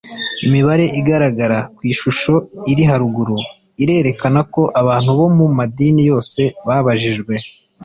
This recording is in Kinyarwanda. Imibare igaragara ku ishusho iri haruguru irerekana ko abantu bo mu madini yose babajijwe